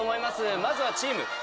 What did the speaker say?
まずはチーム。